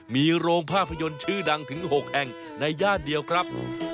มีโรงภาพยนตร์ชื่อดังถึง๖แห่งในย่านเดียวครับ